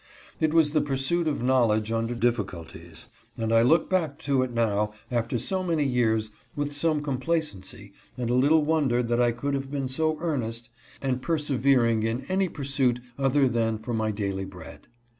It was the pursuit of knowledge under diffi culties, and I look back to it now after so many years with some complacency and a little wonder that I could have been so earnest and persevering in any pursuit other than for my daily bread.